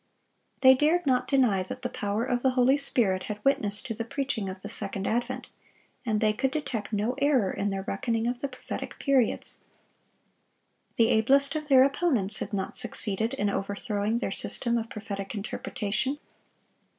They dared not deny that the power of the Holy Spirit had witnessed to the preaching of the second advent, and they could detect no error in their reckoning of the prophetic periods. The ablest of their opponents had not succeeded in overthrowing their system of prophetic interpretation.